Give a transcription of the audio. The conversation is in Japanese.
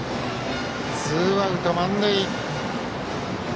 ツーアウト、満塁。